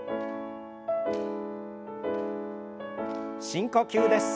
深呼吸です。